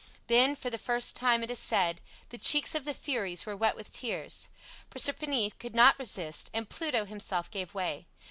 Then for the first time, it is said, the cheeks of the Furies were wet with tears. Proserpine could not resist, and Pluto himself gave way.